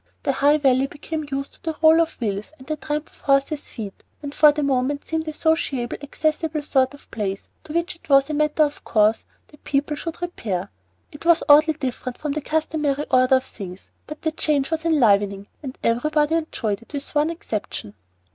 The High Valley became used to the roll of wheels and the tramp of horses' feet, and for the moment seemed a sociable, accessible sort of place to which it was a matter of course that people should repair. It was oddly different from the customary order of things, but the change was enlivening, and everybody enjoyed it with one exception.